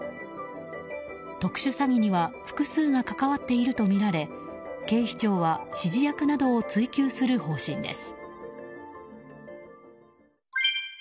特殊詐欺には複数が関わっているとみられ警視庁は指示役などを追及する方針です。